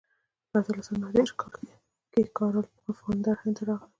په اتلس سوه نهه دېرش کې کارل پفاندر هند ته راغی.